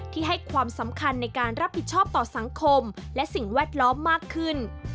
ให้ความสำคัญในการรับผิดชอบต่อสังคมและสิ่งแวดล้อมมากขึ้น